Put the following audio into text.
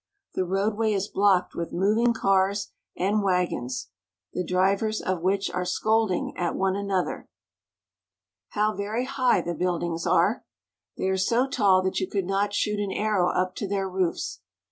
The roadway is blocked with moving cars and wagons, the drivers of which are scolding at one an other. How very high the buildings are! They are so tall that you could not shoot an arrow up to their roofs.